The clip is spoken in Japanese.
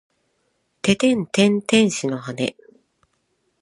ててんてん天使の羽！